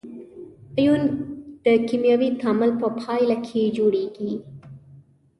ایون د کیمیاوي تعامل په پایله کې جوړیږي.